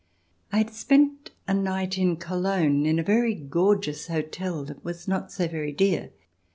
I had spent a night in Cologne, in a very gorgeous hotel that was not so very dear.